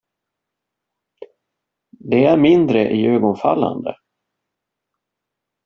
De är mindre iögonfallande.